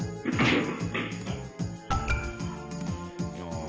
ああ。